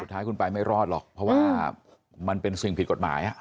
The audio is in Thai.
สุดท้ายคุณไปไม่รอดหรอกเพราะว่ามันเป็นสิ่งผิดกฎหมาย